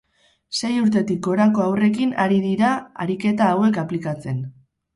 Sei urtetik gorako haurrekin ari dira ariketa hauek aplikatzen.